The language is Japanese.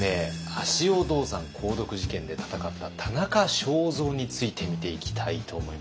足尾銅山鉱毒事件で闘った田中正造について見ていきたいと思います。